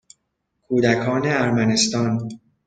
کودکان ارمنستان